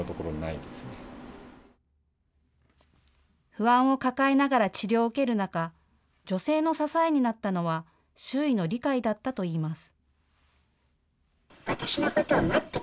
不安を抱えながら治療を受ける中、女性の支えになったのは周囲の理解だったといいます。